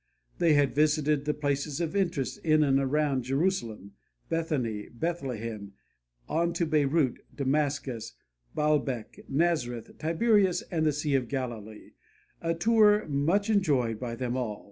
They had visited the places of interest in and around Jerusalem, Bethany, Bethlehem, on to Beirut, Damascus, Baalbek, Nazareth, Tiberias and the Sea of Galilee, a tour much enjoyed by them all.